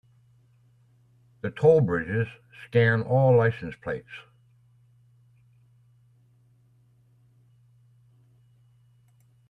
The toll bridges scan all license plates.